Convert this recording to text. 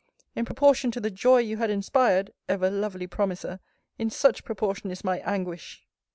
In proportion to the joy you had inspired (ever lovely promiser!) in such proportion is my anguish!